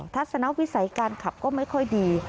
ทัศนวิสัยการขับก็ไม่ค่อยดี